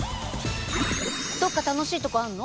どっか楽しいとこあんの？